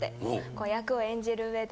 こう役を演じる上で。